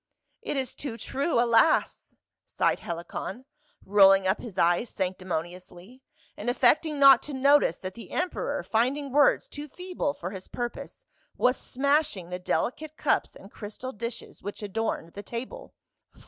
"It is too true, alas!" sighed Helicon, rolling up his eyes sanctimoniously, and affecting not to notice that the emperor, finding words too feeble for his pur pose, was smashing the delicate cups and crystal dishes which adorned the table.